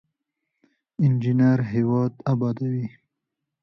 انجینر هیواد ابادوي